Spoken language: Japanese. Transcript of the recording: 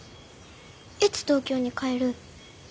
いつ東京に帰る？